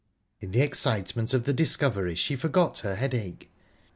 In the excitement of the discovery she forgot her headache.